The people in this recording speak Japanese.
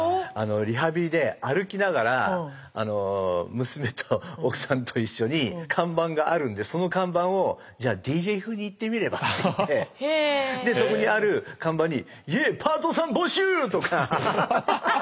リハビリで歩きながら娘と奥さんと一緒に看板があるんでその看板をＤＪ風に言ってみれば？って言ってでそこにある看板に「イェーパートさん募集！」とか。